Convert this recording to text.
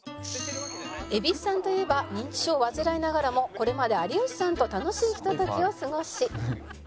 蛭子さんといえば認知症を患いながらもこれまで有吉さんと楽しいひとときを過ごし